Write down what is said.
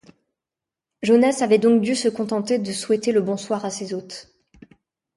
Jonas avait donc dû se contenter de souhaiter le bonsoir à ses hôtes.